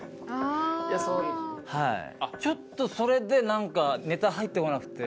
ちょっとそれでなんかネタ入ってこなくて。